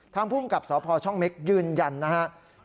ภูมิกับสพช่องเม็กยืนยันนะครับ